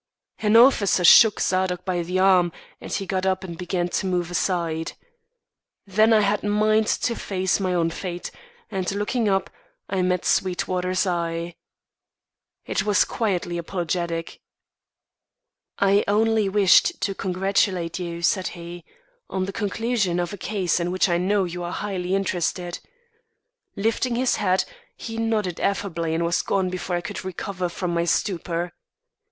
An officer shook Zadok by the arm and he got up and began to move aside. Then I had mind to face my own fate, and, looking up, I met Sweetwater's eye. It was quietly apologetic. "I only wished to congratulate you," said he, "on the conclusion of a case in which I know you are highly interested." Lifting his hat, he nodded affably and was gone before I could recover from my stupor.